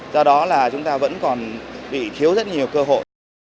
do đó là chúng ta vẫn còn bị thiếu rất nhiều cơ hội